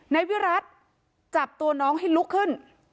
นายวิรัติจับตัวน้องให้ลุกขึ้น